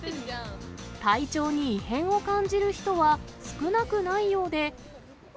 体調に異変を感じる人は少なくないようで。